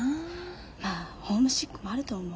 まあホームシックもあると思う。